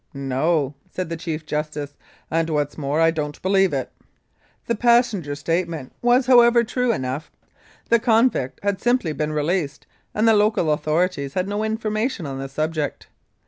"No," said the Chief Justice, "and, what's more, I don't believe it." The passenger's statement was, however, true enough, the convict had simply been released, and the local authorities had no information on the subject.